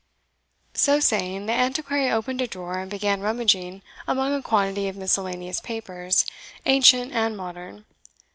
So saying, the Antiquary opened a drawer, and began rummaging among a quantity of miscellaneous papers, ancient and modern.